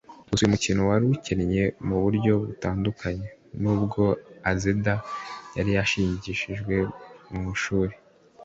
Gusa uyu mukino wari ukinnye mu buryo butandukanye n’ubwo Azeda yari yarigishijwe ku ishuri